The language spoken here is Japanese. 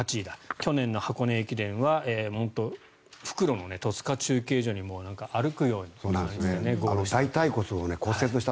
去年の箱根駅伝は復路の戸塚中継所に歩くような感じでゴールをした。